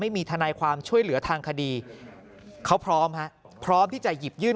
ไม่มีทนายความช่วยเหลือทางคดีเขาพร้อมฮะพร้อมที่จะหยิบยื่น